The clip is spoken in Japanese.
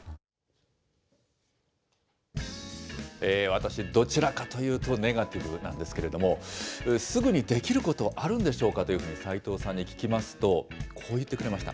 私、どちらかというとネガティブなんですけれども、すぐにできることあるんでしょうかというふうに齋藤さんに聞きますと、こう言ってくれました。